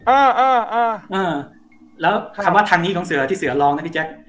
เออเออแล้วคำว่าทางนี้ของเสือที่เสือรองนะพี่แจ๊ค